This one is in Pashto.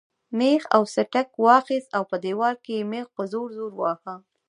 مېخ او سټک واخیست او په دیوال کې یې مېخ په زور زور واهه.